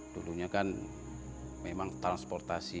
dulunya kan memang transportasi